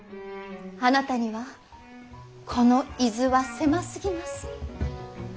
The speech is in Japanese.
あなたにはこの伊豆は狭すぎます。